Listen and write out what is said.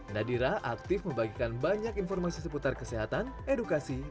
nadira aktif membagikan banyak informasi seputar kesehatan edukasi